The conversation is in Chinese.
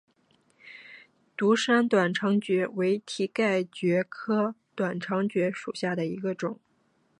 独山短肠蕨为蹄盖蕨科短肠蕨属下的一个种。